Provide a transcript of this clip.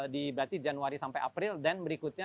diberarti januari sampai april dan berikutnya